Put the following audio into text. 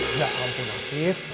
enggak ampun afif